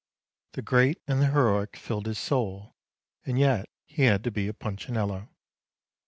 The great and the heroic filled his soul, and yet he had to be a Punchinello.